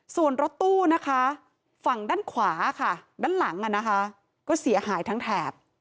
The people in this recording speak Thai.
ส่วนรถตู้นะคะฝั่งด้านขวาค่ะด้านหลังก็เสียหายทั้งแถบ